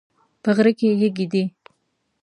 په غره کې یږي دي